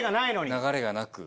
流れがなく。